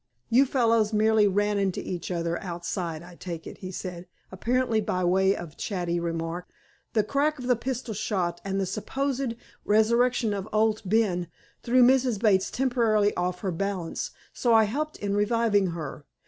"You fellows merely ran into each other outside, I take it," he said, apparently by way of a chatty remark. "The crack of the pistol shot and the supposed resurrection of Owd Ben threw Mrs. Bates temporarily off her balance, so I helped in reviving her.